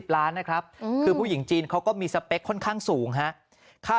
ล้านนะครับคือผู้หญิงจีนเขาก็มีสเปคค่อนข้างสูงฮะค่า